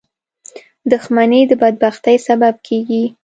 • دښمني د بدبختۍ سبب کېږي.